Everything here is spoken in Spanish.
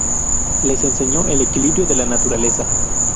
Les enseño el equilibrio de la naturaleza"".